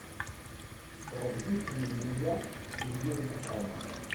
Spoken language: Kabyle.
Teɣleb-iten nniya d yir lefhama.